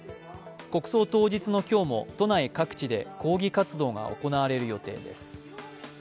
国葬当日の今日も都内各地で抗議活動が行われる予定です。